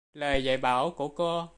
Lời dạy bảo của cô